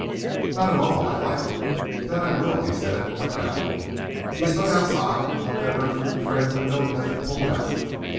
"Not at all. I'd like it." "Then I will," he said, and went out. He stood outside and looked at her through the train window as it pulled out.